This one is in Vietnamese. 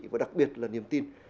và đặc biệt là niềm tin